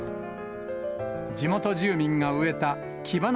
地元住民が植えたキバナ